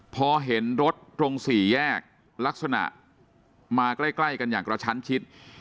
พอเห็นรถตรงสี่แยกลักษณะมาใกล้กันอย่างกระชั้นชิด